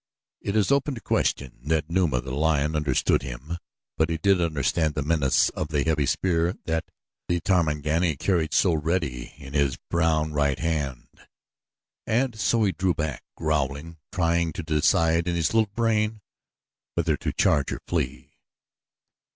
It is open to question that Numa, the lion, understood him; but he did understand the menace of the heavy spear that the Tarmangani carried so ready in his brown, right hand, and so he drew back, growling, trying to decide in his little brain whether to charge or flee.